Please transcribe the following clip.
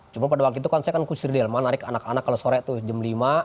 cuma pada waktu itu saya kan kusir delman lari ke anak anak kalau sore tuh jam lima